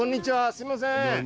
すいません。